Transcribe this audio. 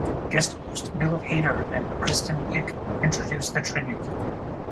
Guest host Bill Hader and Kristen Wiig introduced the tribute.